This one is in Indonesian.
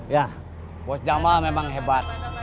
ya bos jamaah memang hebat